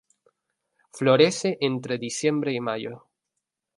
Florece entre diciembre y mayo.